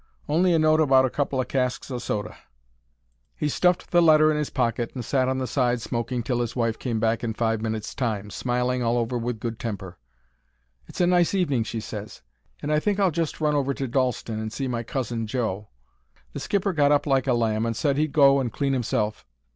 Only a note about a couple o' casks o' soda." He stuffed the letter in 'is pocket and sat on the side smoking till his wife came back in five minutes' time, smiling all over with good temper. "It's a nice evening," she ses, "and I think I'll just run over to Dalston and see my Cousin Joe." The skipper got up like a lamb and said he'd go and clean 'imself.